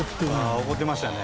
あ怒ってましたね。